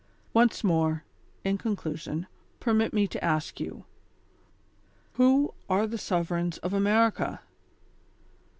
Once more, in conclusion, permit me to ask you : "Who are the sovereigns of America